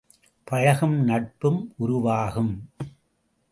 பழகும் நட்பு உருவாகும்.